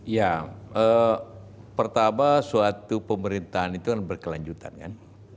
ya pertama suatu pemerintahan itu kan berkelanjutan kan